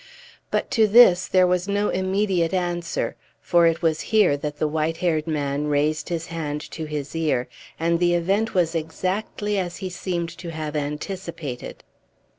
But to this there was no immediate answer; for it was here that the white haired man raised his hand to his ear; and the event was exactly as he seemed to have anticipated.